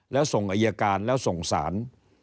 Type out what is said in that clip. แล้วส่งอายการแล้วส่งสาร